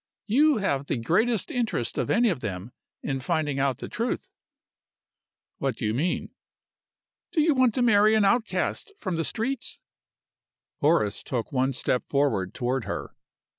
You have the greatest interest of any of them in finding out the truth." "What do you mean?" "Do you want to marry an outcast from the streets?" Horace took one step forward toward her.